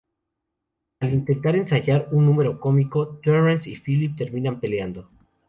Al intentar ensayar un número cómico, Terrance y Phillip terminan peleando.